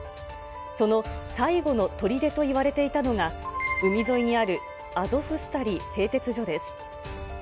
その最後のとりでといわれていたのが、海沿いにあるアゾフスタリ製鉄所です。